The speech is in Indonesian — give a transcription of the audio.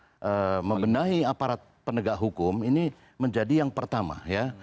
karena membenahi aparat penegak hukum ini menjadi yang pertama ya